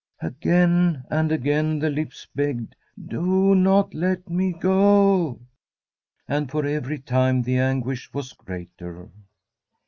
Again and again the lips begged, ' Do not let me go !' And for every time the anguish was greater.